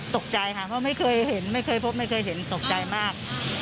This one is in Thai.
ตกใจค่ะเพราะไม่เคยเห็นไม่เคยพบไม่เคยเห็นตกใจมาก